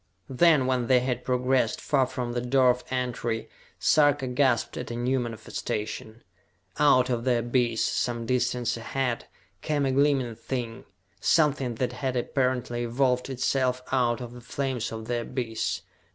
Then, when they had progressed far from the door of entry, Sarka gasped at a new manifestation. Out of the abyss, some distance ahead, came a gleaming thing, something that had apparently evolved itself out of the flames of the abyss.